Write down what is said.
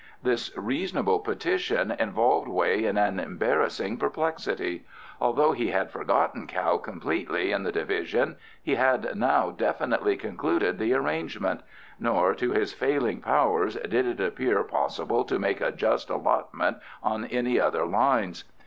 This reasonable petition involved Wei in an embarrassing perplexity. Although he had forgotten Kao completely in the division, he had now definitely concluded the arrangement; nor, to his failing powers, did it appear possible to make a just allotment on any other lines.